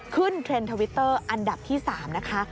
เทรนด์ทวิตเตอร์อันดับที่๓นะคะ